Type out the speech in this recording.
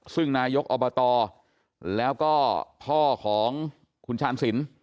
ซึ่งนายกอบตแล้วก็พ่อของคุณชาญสิน